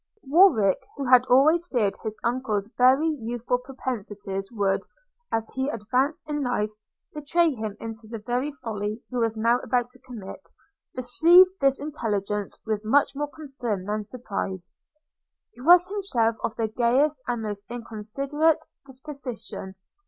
Warwick, who had always feared his uncle's very youthful propensities would, as he advanced in life, betray him into the very folly he was now about to commit, received this intelligence with more concern than surprise. He was himself of the gayest and most inconsiderate disposition.